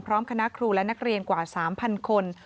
คณะครูและนักเรียนกว่า๓๐๐คน